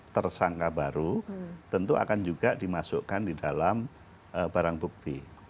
tersangka baru tentu akan juga dimasukkan di dalam barang bukti